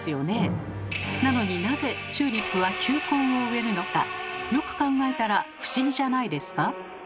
なのになぜチューリップは球根を植えるのかよく考えたら不思議じゃないですか？